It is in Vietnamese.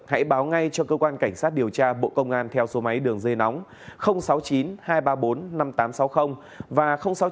hãy báo ngay cho cơ quan cảnh sát điều tra bộ công an theo số máy đường dây nóng sáu mươi chín hai trăm ba mươi bốn năm nghìn tám trăm sáu mươi và sáu mươi chín hai trăm ba mươi một một nghìn sáu trăm